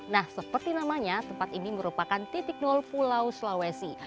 nah seperti namanya tempat ini merupakan titik nol pulau sulawesi